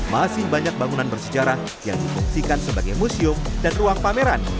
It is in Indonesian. masih banyak bangunan bersejarah yang difungsikan sebagai museum dan ruang pameran